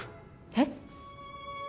えっ！